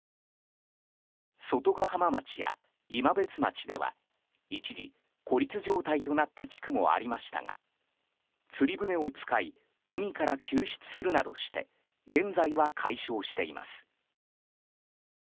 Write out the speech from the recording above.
外ヶ浜町や今別町では一時、孤立状態となった地区もありましたが釣り船を使い海から救出するなどして現在は、解消しています。